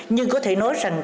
nhưng có thể nói rằng